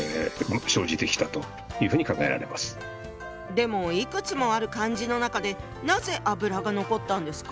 でもいくつもある漢字の中でなぜ「油」が残ったんですか？